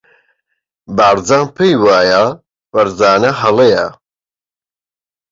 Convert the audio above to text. بارزان پێی وایە فەرزانە هەڵەیە.